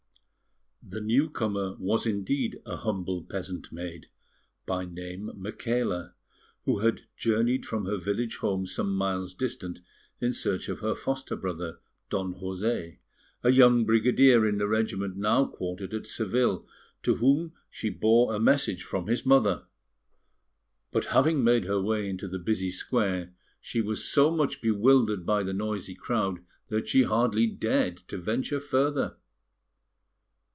The newcomer was indeed a humble peasant maid, by name, Micaela, who had journeyed from her village home some miles distant in search of her foster brother, Don José, a young brigadier in the regiment now quartered at Seville, to whom she bore a message from his mother; but having made her way into the busy square, she was so much bewildered by the noisy crowd that she hardly dared to venture further.